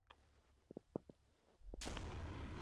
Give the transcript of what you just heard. آیا د مشرتابه پګړۍ په جرګه کې نه تړل کیږي؟